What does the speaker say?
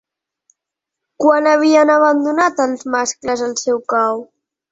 Quan havien abandonat els mascles el seu cau?